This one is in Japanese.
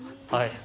はい。